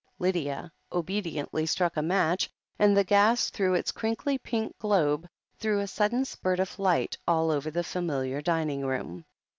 Lydia obediently struck a match, and the gas, through its crinkly pink globe, threw a sudden spurt of light all over the familiar dining room.